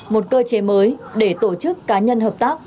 một cơ chế mới để tổ chức cá nhân hợp tác